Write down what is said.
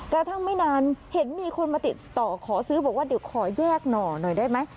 ไม่นานเห็นมีคนมาติดต่อขอซื้อบอกว่าเดี๋ยวขอแยกหน่อหน่อยได้ไหม